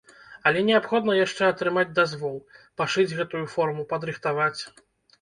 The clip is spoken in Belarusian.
Але неабходна яшчэ атрымаць дазвол, пашыць гэтую форму, падрыхтаваць.